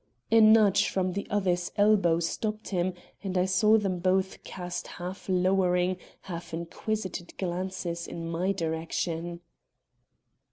A nudge from the other's elbow stopped him and I saw them both cast half lowering, half inquisitive glances in my direction.